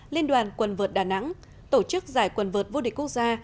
liên đoàn quần vượt đà nẵng tổ chức giải quần vượt vô địch quốc gia